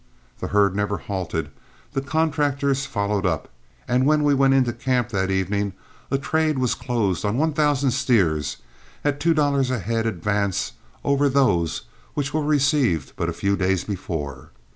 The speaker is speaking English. The herd never halted, the contractors followed up, and when we went into camp that evening a trade was closed on one thousand steers at two dollars a head advance over those which were received but a few days before.